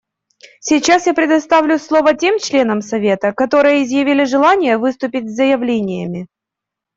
Сейчас я предоставлю слово тем членам Совета, которые изъявили желание выступить с заявлениями.